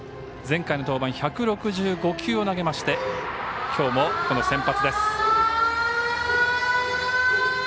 前回の登板１６５球を投げましてきょうもこの先発です。